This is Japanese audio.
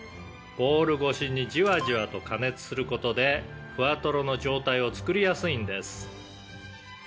「ボウル越しにじわじわと加熱する事でふわトロの状態を作りやすいんです」